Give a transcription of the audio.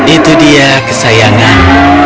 itu dia kesayangan